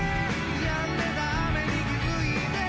「やんでた雨に気付いて」